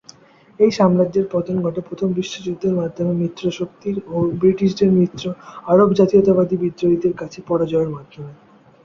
এই সাম্রাজ্যের পতন ঘটে প্রথম বিশ্বযুদ্ধের মাধ্যমে মিত্রশক্তির ও ব্রিটিশদের মিত্র আরব জাতীয়তাবাদী বিদ্রোহীদের কাছে পরাজয়ের মাধ্যমে।